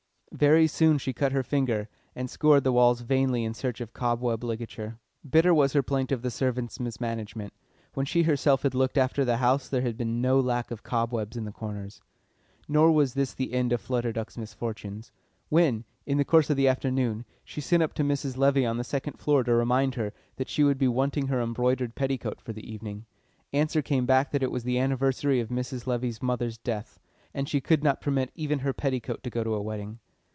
Very soon she cut her finger, and scoured the walls vainly in search of cobweb ligature. Bitter was her plaint of the servant's mismanagement; when she herself had looked after the house there had been no lack of cobwebs in the corners. Nor was this the end of Flutter Duck's misfortunes. When, in the course of the afternoon, she sent up to Mrs. Levy on the second floor to remind her that she would be wanting her embroidered petticoat for the evening, answer came back that it was the anniversary of Mrs. Levy's mother's death, and she could not permit even her petticoat to go to a wedding.